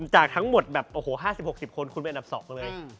จากทั้งหมดแบบโอ้โห๕๐๖๐คนคุณเป็นอันดับ๒เลย